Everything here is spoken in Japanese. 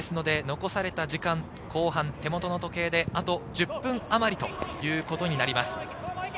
残された時間、後半、手元の時計であと１０分あまりということになります。